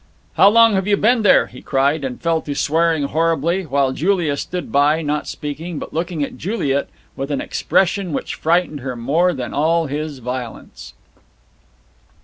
"How long have you been there?" he cried, and fell to swearing horribly; while Julia stood by, not speaking, but looking at Juliet with an expression which frightened her more than all his violence.